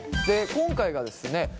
で今回がですね